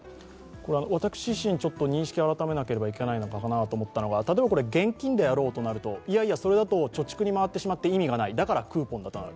私自身認識を改めなきゃいけないのかなと思ったのは例えば現金であろうとなると、それだと貯蓄に回ってしまって意味がない、だからクーポンだとなる。